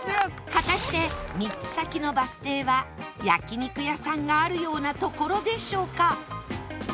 果たして３つ先のバス停は焼肉屋さんがあるような所でしょうか？